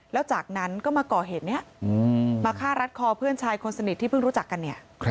แล้วจากนั้นก็มาก่อเหตุนี้มาฆ่ารัดคอเพื่อนชายคนสนิทที่เพิ่งรู้จักกันเนี่ย